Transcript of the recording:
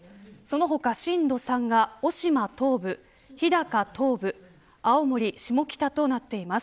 その他震度３が、渡島東部日高東部青森下北となっています。